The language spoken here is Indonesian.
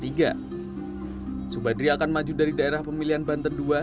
subadri akan maju dari daerah pemilihan banten ii